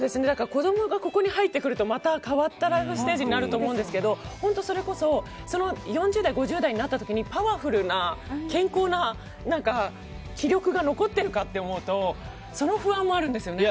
子供がここに入ってくるとまた変わったライフステージになると思いますがそれこそ４０代、５０代になった時にパワフルな、健康な気力が残っているかって思うとその不安もあるんですよね。